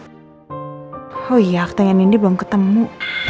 oh iya aku tanya nindy belum ketemu